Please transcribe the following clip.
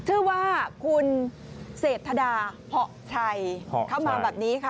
ชื่อว่าคุณเสพทดาเหาะชัยเหาะชัยเข้ามาแบบนี้ค่ะ